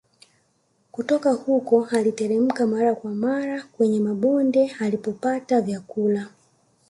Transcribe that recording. Kutoka huko aliteremka mara kwa mara kwenye mabonde alipopata vyakula